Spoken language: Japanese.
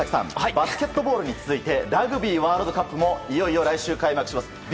バスケットボールに続いてラグビーワールドカップもいよいよ来週開幕します。